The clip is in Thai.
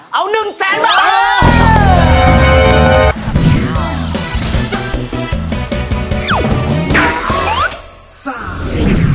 โหเอา๑แสนบาท